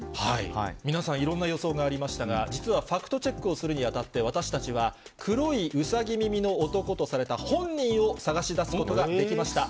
皆さん、いろんな予想がありましたが、実はファクトチェックをするにあたって、私たちは、黒いウサギ耳の男とされた本人を探し出すことができました。